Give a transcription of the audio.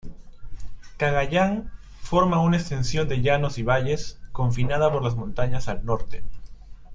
Cagayán forma una extensión de llanos y valles, confinada por las montañas al norte.